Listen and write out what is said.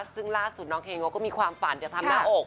ซึ่งล่าสุดน้องเคโง่ก็มีความฝันจะทำหน้าอก